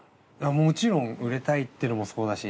もちろん売れたいっていうのもそうだし。